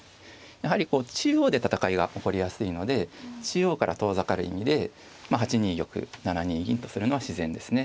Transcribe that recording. やはりこう中央で戦いが起こりやすいので中央から遠ざかる意味で８二玉７二銀とするのは自然ですね。